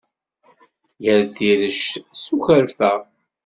Yal tirect s ukwerfa.